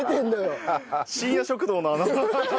『深夜食堂』のあの。